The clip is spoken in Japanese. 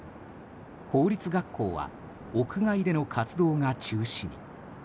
公立学校は屋外での活動が中止に。